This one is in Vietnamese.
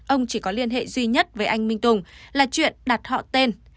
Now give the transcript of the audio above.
ông chỉ có liên hệ duy nhất với anh minh tùng là chuyện đặt họ tên